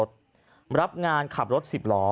ซ่อมรถรับงานขับรถสิบล้อ